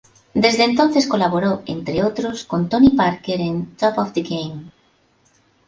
Desde entonces colaboró, entre otros con Tony Parker en "Top of the Game".